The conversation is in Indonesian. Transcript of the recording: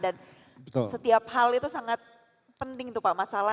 dan setiap hal itu sangat penting itu pak mas salah